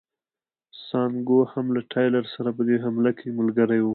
سانکو هم له ټایلر سره په دې حمله کې ملګری و.